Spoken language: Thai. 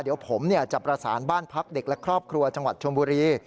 เดี๋ยวผมจะประสานบ้านพักเด็กและครอบครัวจังหวัดชมบุรี